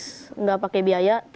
tidak pakai biaya